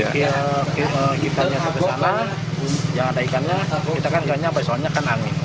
kita nyatakan sama jangan ada ikannya kita kan nggak nyapa soalnya kan angin